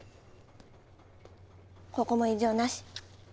ここも異常なし。